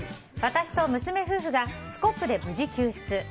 私と娘夫婦がスコップで無事救出。